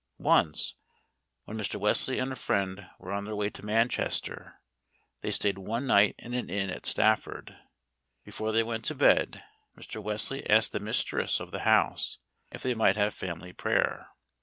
Once, when Mr. Wesley and a friend were on their way to Manchester, they stayed one night in an inn at Stafford. Before they went to bed, Mr. Wesley asked the mistress of the house if they might have family prayer.